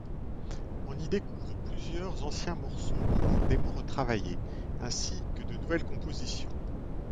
On y découvre plusieurs anciens morceaux profondément retravaillés, ainsi que de nouvelles compositions.